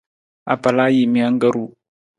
Apalajiimijang ka ru.